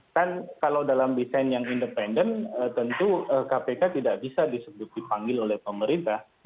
kan kalau dalam desain yang independen tentu kpk tidak bisa disebut dipanggil oleh pemerintah